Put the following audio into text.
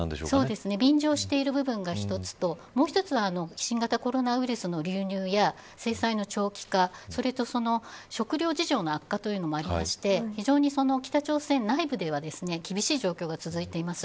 そうですね便乗してる部分が１つともう１つは新型コロナウイルスの流入や制裁の長期化それと食糧事情の悪化というのもあって非常に北朝鮮内部では厳しい状況が続いています。